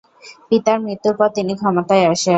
পিতার মৃত্যুর পর তিনি ক্ষমতায় আসেন।